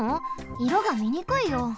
いろがみにくいよ。